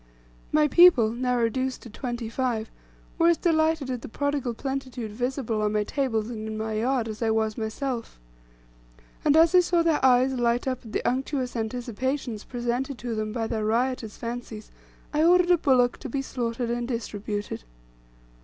My people, now reduced to twenty five, were as delighted at the prodigal plenitude visible on my tables and in my yard, as I was myself. And as I saw their eyes light up at the unctuous anticipations presented to them by their riotous fancies, I ordered a bullock to be slaughtered and distributed.